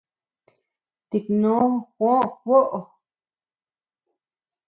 Tiknó Juó kuoʼo.